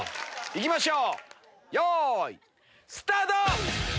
行きましょうよいスタート！